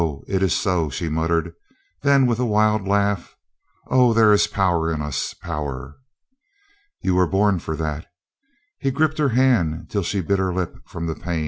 It is so," she muttered. Then with a wild Laugh: "Oh, there is power in us — power!" "You are born for that." He gripped her hand till she bit her lip for the pain.